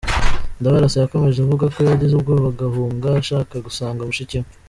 Ndabarasa yakomeje avuga ko yagize ubwoba agahunga ashaka gusanga mushiki we.